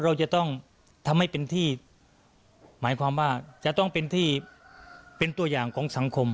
เราจะต้องทำให้เป็นที่หมายความว่าจะต้องเป็นที่เป็นตัวอย่างของสังคม